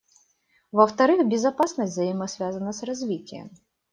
Во-вторых, безопасность взаимосвязана с развитием.